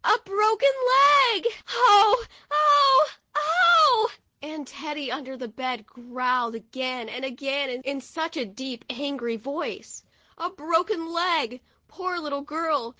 "A broken leg ! Oh! oh! oh!' and Teddy under the bed growled again and again, in such a deep, angry voice, "A broken leg! Poor little girl!